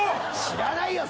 知らないよ